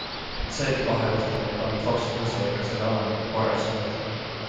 Ent seegi vahejuhtum ei pannud Fox Newsi ega selle omanikku korrakski mõtlema.